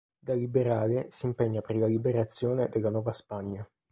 Da liberale, si impegna per la liberazione della Nuova Spagna.